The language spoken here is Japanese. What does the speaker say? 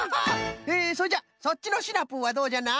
えそれじゃそっちのシナプーはどうじゃな？